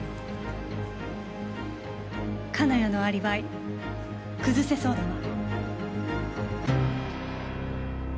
金谷のアリバイ崩せそうだわ。